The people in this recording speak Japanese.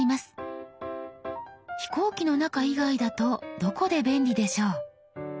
飛行機の中以外だとどこで便利でしょう？